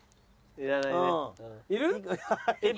いらないね。